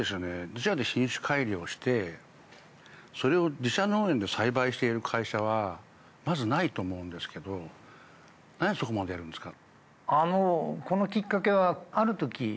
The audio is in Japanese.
自社で品種改良してそれを自社農園で栽培している会社はまずないと思うんですけどなんでそこまでやるんですか？